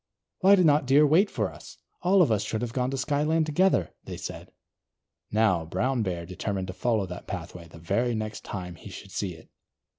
"Why did not Deer wait for us? All of us should have gone to Skyland together," they said. Now, Brown Bear determined to follow that pathway the very next time he should see it.